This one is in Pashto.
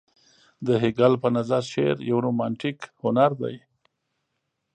د هګل په نظر شعر يو رومانتيک هنر دى.